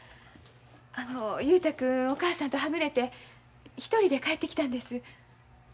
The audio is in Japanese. あの雄太君お母さんとはぐれて一人で帰ってきたんです。